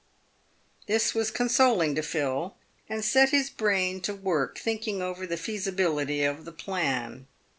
This was consoling to Phil, and set his brain to work thinking over the feasibility of the plan.